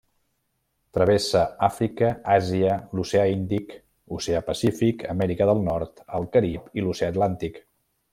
Travessa Àfrica, Àsia, l'Oceà Índic, Oceà Pacífic, Amèrica del Nord, el Carib i l'Oceà Atlàntic.